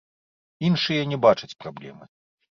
Іншыя не бачаць праблемы.